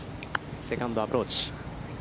セカンドアプローチ。